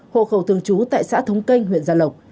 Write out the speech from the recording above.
hộ khẩu thường trú tại xã thống canh huyện gia lộc